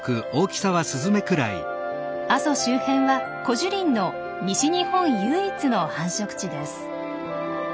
阿蘇周辺はコジュリンの西日本唯一の繁殖地です。